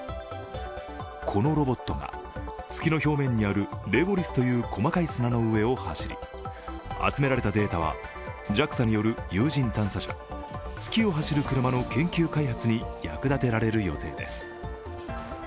このロボットが月の表面にあるレゴリスという細かい砂の上を走り、集められたデータはＪＡＸＡによる有人探査車月を走る車の研究開発に役立てられる予定です。